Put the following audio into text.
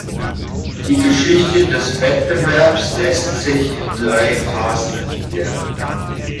Die Geschichte des Wettbewerbs lässt sich in drei Phasen gliedern.